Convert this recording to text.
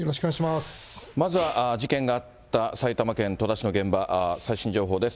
まずは、事件があった埼玉県戸田市の現場、最新情報です。